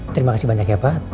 terima kasih banyak ya pak